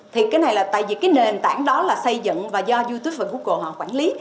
thì cái này là tại vì cái nền tảng đó là xây dựng và do youtube và google họ quản lý